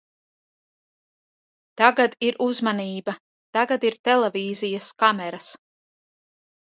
Tagad ir uzmanība, tagad ir televīzijas kameras.